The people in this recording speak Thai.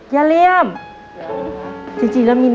ยะเลี่ยม